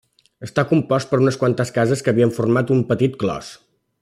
Està compost per unes quantes cases que havien format un petit clos.